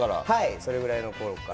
それぐらいのころから。